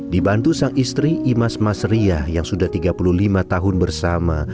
dibantu sang istri imas mas riah yang sudah tiga puluh lima tahun bersama